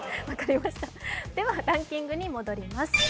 ではランキングに戻ります。